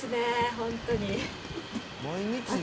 本当に。